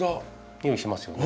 匂いしますよね。